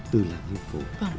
từ làng lên phố